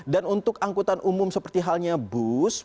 dan untuk angkutan umum seperti halnya bus